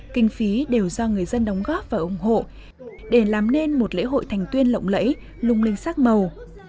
kinh phí đều do người dân đóng góp và ủng hộ để làm nên một lễ hội thành tuyên lộng lẫy lung linh sắc màu